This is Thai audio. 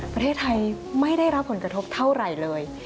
ประเทศไทยไม่ได้รับผลกระทบเท่าไหร่เลย